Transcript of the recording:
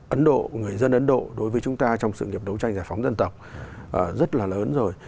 ấn độ người dân ấn độ đối với chúng ta trong sự nghiệp đấu tranh giải phóng dân tộc rất là lớn rồi